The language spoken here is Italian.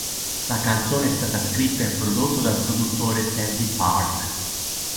La canzone è stata scritta e prodotta dal produttore Teddy Park.